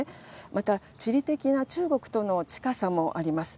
また、地理的な中国との近さもあります。